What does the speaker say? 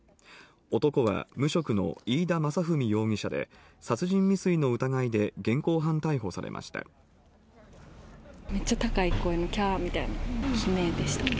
男は無職の飯田雅史容疑者で、殺人未遂の疑いで現行犯逮捕されめっちゃ高い声のきゃーみたいな悲鳴でした。